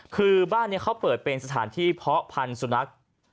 คือบ้านนี้เขาเปิดเป็นสถานที่เพาะพันธุ์สุนัข